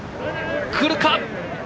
来るか？